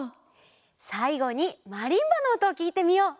さいごにマリンバのおとをきいてみよう！